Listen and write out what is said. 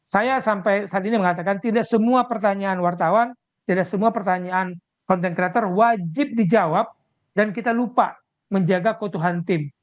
saya sampai saat ini mengatakan tidak semua pertanyaan wartawan tidak semua pertanyaan konten kreator wajib dijawab dan kita lupa menjaga keutuhan tim